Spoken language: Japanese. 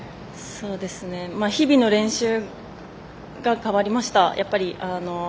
日々の練習が変わりました。